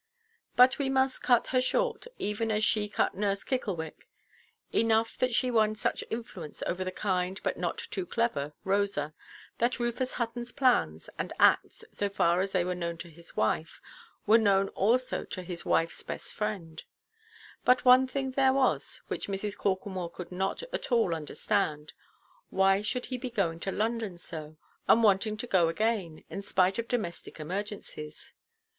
But we must cut her short, even as she cut nurse Kicklewick. Enough that she won such influence over the kind but not too clever Rosa, that Rufus Huttonʼs plans and acts, so far as they were known to his wife, were known also to his wifeʼs best friend. But one thing there was which Mrs. Corklemore could not at all understand,—why should he be going to London so, and wanting to go again, in spite of domestic emergencies?